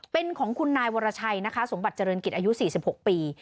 เป็นของคุณนายวรชัยนะคะสมบัติเจริญกิจอายุ๔๖ปี